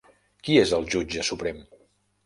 Qui és el jutge suprem?